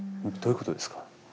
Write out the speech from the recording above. どういうことですか？